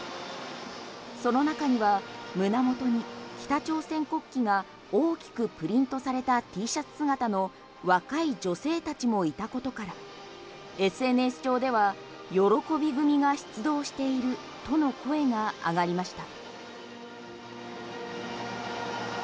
その中には胸元に北朝鮮国旗が大きくプリントされたＴシャツ姿の若い女性たちもいたことからＳＮＳ上では喜び組が出動しているとの声が上がりました。